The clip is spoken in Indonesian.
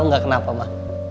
tau gak kenapa ma